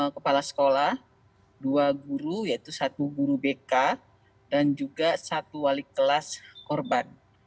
kepala sekolah dua guru yaitu satu guru bk dan juga satu wali kelas korban